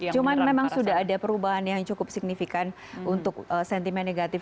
cuman memang sudah ada perubahan yang cukup signifikan untuk sentimen negatif